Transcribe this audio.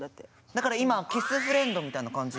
だから今キスフレンドみたいな感じ？